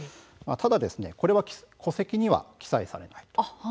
ただこれは戸籍に記載されない。